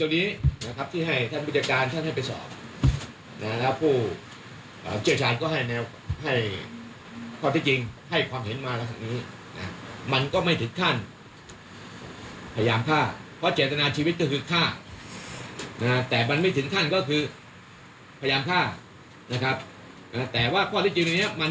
ว่าการกระทำตาลกระทำให้ในรับคู่คู่ถูกกระทำ